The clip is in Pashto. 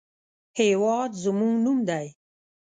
هېواد زموږ نوم دی